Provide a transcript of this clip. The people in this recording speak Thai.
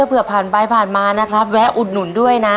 เผื่อผ่านไปผ่านมานะครับแวะอุดหนุนด้วยนะ